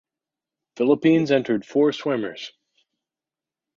Philippines entered four swimmers.